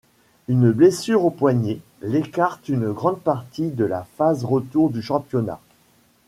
Une blessure au poignet l'écarte une grande partie de la phase retour du championnat.